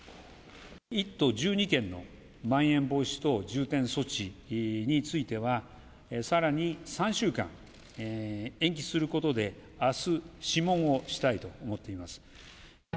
１都１２県のまん延防止等重点措置については、さらに３週間延期することで、あす諮問をしたいと思っています。